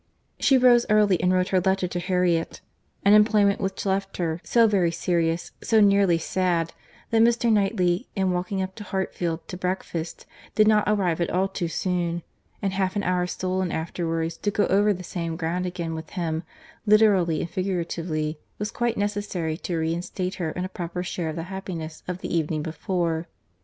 She rose early, and wrote her letter to Harriet; an employment which left her so very serious, so nearly sad, that Mr. Knightley, in walking up to Hartfield to breakfast, did not arrive at all too soon; and half an hour stolen afterwards to go over the same ground again with him, literally and figuratively, was quite necessary to reinstate her in a proper share of the happiness of the evening before.